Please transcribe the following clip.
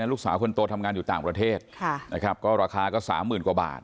แล้วคนโตทำงานอยู่ต่างประเทศราคาก็๓๐๐๐๐กว่าบาท